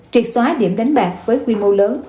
triệt xoá điểm đánh bạc với quy mô lớn